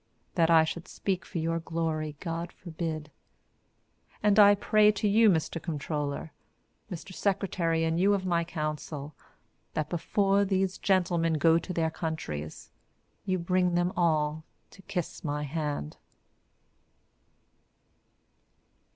That I should speak for any glory, God forbid. And I pray to you Mr Comptroller, Mr Secretary and you of my Council, that before these gentlemen go into their countries, you bring them all to kiss my hand.